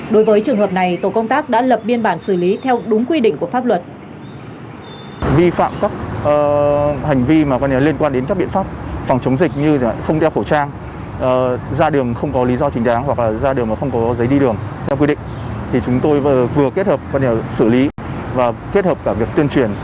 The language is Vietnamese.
đối với trường hợp này tổ công tác đã lập biên bản xử lý theo đúng quy định của pháp luật